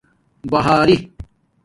بہاری